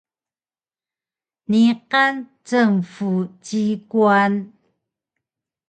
Niqan cng-fu ci-kwan